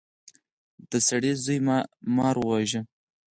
د سړي زوی مار وواژه.